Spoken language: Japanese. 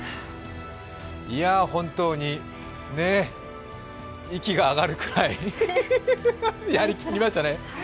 いや、本当に、息が上がるくらい、やりきりましたね。